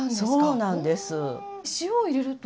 そうなんです。